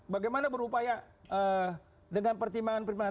bagaimana berupaya dengan pertimbangan pertimbangan